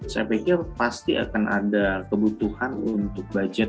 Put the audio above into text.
saya pikir pasti akan ada kebutuhan untuk budget